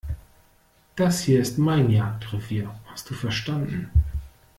Das hier ist mein Jagdrevier, hast du verstanden?